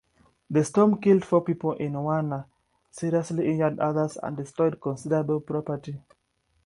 The storm killed four people in Warner, seriously injured others and destroyed considerable property.